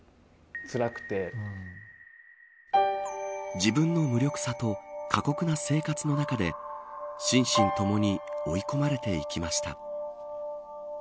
自分の無力さと過酷な生活の中で心身ともに追い込まれていきました。